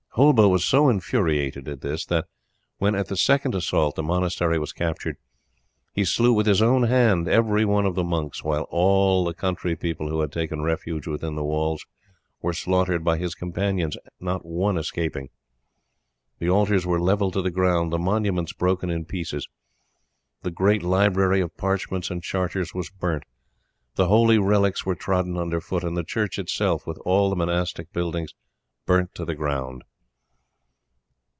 Hulba was so infuriated at this that when, at the second assault, the monastery was captured, he slew with his own hand everyone of the monks, while all the country people who had taken refuge within the walls were slaughtered by his companions, not one escaping. The altars were levelled to the ground, the monuments broken in pieces. The great library of parchments and charters was burnt. The holy relics were trodden under foot, and the church itself, with all the monastic buildings, burnt to the ground.